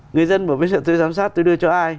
người dân bảo bây giờ tôi giám sát tôi đưa cho ai